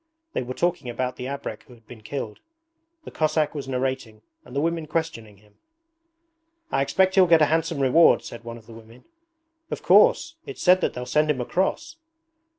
They were talking about the abrek who had been killed. The Cossack was narrating and the women questioning him. 'I expect he'll get a handsome reward,' said one of the women. 'Of course. It's said that they'll send him a cross.'